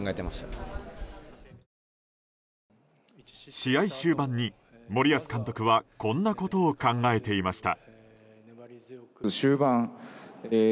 試合終盤に森保監督はこんなことを考えていました。